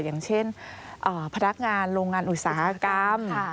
อย่างเช่นพนักงานโรงงานอุตสาหกรรม